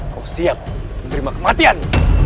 kau siap menerima kematian